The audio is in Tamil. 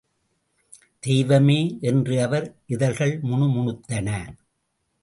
தெய்வமே! என்று அவர் இதழ்கள் முணுமுணுத்தன.